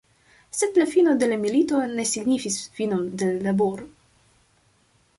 Sed la fino de la milito ne signifis finon de laboro.